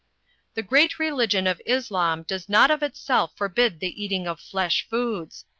"The great religion of Islam does not of itself for bid the eating of flesh foods.